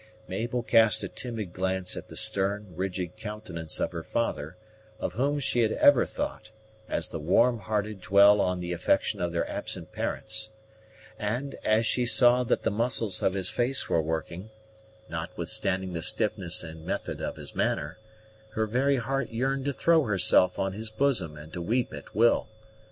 Mabel cast a timid glance at the stern, rigid countenance of her father, of whom she had ever thought, as the warm hearted dwell on the affection of their absent parents; and, as she saw that the muscles of his face were working, notwithstanding the stiffness and method of his manner, her very heart yearned to throw herself on his bosom and to weep at will.